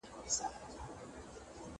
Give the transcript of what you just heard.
منطقي تسلسل په هره برخه کي مراعات شوی دئ.